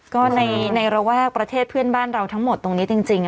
ก็ในระแวกประเทศเพื่อนบ้านเราทั้งหมดตรงนี้จริง